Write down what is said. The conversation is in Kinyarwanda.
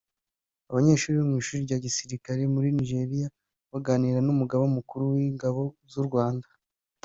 Abanyenshuri bo mu ishuri rya gisirikare muri Nigeria baganira n’umugaba mukuru w’ingabo z’u Rwanda